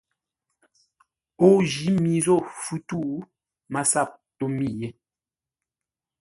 O jǐ mi zô fu tû. MASAP tó mi yé.